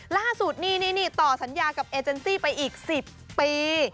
ล่าสุดนี่ต่อสัญญากับเอเจนซี่ไปอีก๑๐ปี